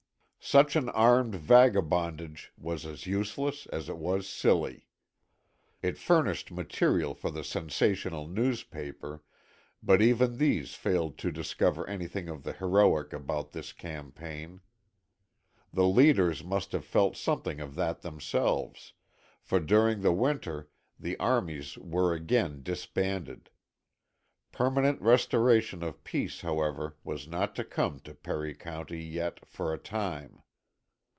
Such an armed vagabondage was as useless as it was silly. It furnished material for the sensational newspaper, but even these failed to discover anything of the heroic about this campaign. The leaders must have felt something of that themselves, for during the winter the armies were again disbanded. Permanent restoration of peace, however, was not to come to Perry County yet for a time.